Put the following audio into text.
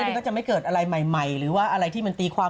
มันก็จะไม่เกิดอะไรใหม่หรือว่าอะไรที่มันตีความ